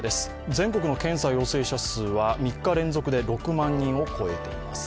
全国の検査陽性者数は３日連続で６万人を超えています。